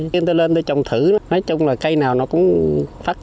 khi tôi lên tôi trồng thử nói chung là cây nào nó cũng phát triển